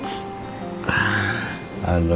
supin pandemi kita berakhir ya